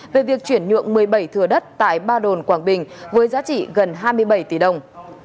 về việc chuyển nhượng một mươi bảy thừa đất tại ba đồn quảng bình với giá trị gần hai mươi bảy tỷ đồng